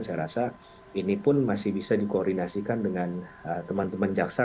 saya rasa ini pun masih bisa dikoordinasikan dengan teman teman jaksa